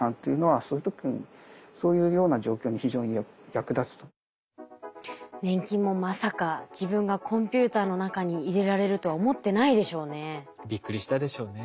例えば津波が起こった粘菌もまさか自分がコンピューターの中に入れられるとは思ってないでしょうね。